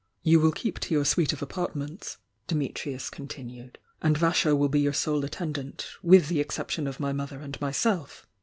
"You will keep to your suite of apartments," Dimitrius continued, "and yasho will be your sole attendant, — with the exception of my mother and myself!"